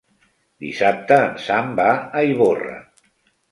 Dissabte en Sam va a Ivorra.